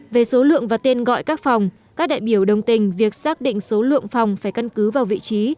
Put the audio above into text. về số lượng và tên gọi các phòng các đại biểu đồng tình việc xác định số lượng phòng phải căn cứ vào vị trí